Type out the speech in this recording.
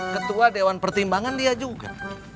ketua dewan pertimbangan dia juga